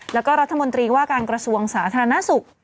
แล้วก็รัฐมนตรีว่าการกระทรวงสาธารณสุข